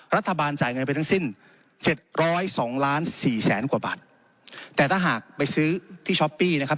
รัฐบาลจ่ายเงินไปทั้งสิ้นเจ็ดร้อยสองล้านสี่แสนกว่าบาทแต่ถ้าหากไปซื้อที่ช้อปปี้นะครับ